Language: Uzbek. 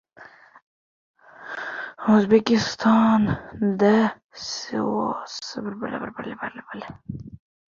O‘zbekistonda siyosiy partiyalarning saylovdagi vakolatli vakillari ma’lum qilindi